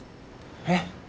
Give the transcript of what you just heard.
えっ？